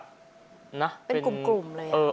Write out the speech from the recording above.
เป็นกลุ่มเลย